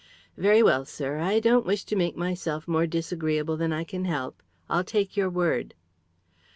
"Very well, sir. I don't wish to make myself more disagreeable than I can help. I'll take your word."